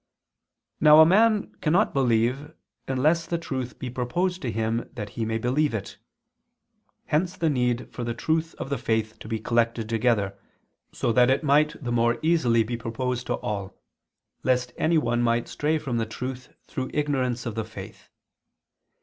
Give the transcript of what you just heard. Now a man cannot believe, unless the truth be proposed to him that he may believe it. Hence the need for the truth of faith to be collected together, so that it might the more easily be proposed to all, lest anyone might stray from the truth through ignorance of the faith.